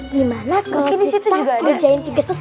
gimana kalau kita kerjain tugas